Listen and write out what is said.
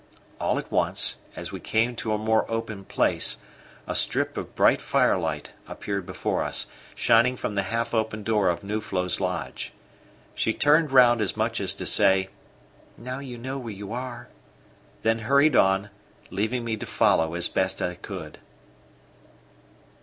All at once, as we came to a more open place, a strip of bright firelight appeared before us, shining from the half open door of Nuflo's lodge. She turned round as much as to say: "Now you know where you are," then hurried on, leaving me to follow as best I could.